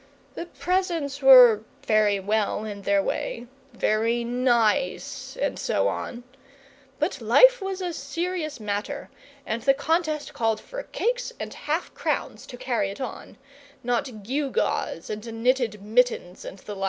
The presents were very well in their way very nice, and so on but life was a serious matter, and the contest called for cakes and half crowns to carry it on, not gew gaws and knitted mittens and the like.